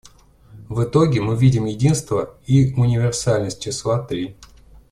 В итоге мы видим единство и универсальность числа «три».